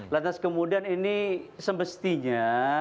lantas kemudian ini semestinya